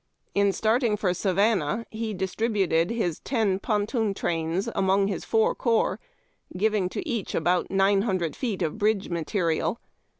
In starting for Savannah, he distributed his ponton trains among liis four corps, giving to each about nine hundred feet of bridge ma terial.